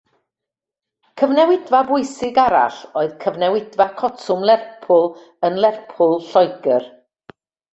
Cyfnewidfa bwysig arall oedd Cyfnewidfa Cotwm Lerpwl yn Lerpwl, Lloegr.